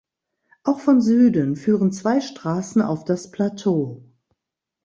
Auch von Süden führen zwei Straßen auf das Plateau.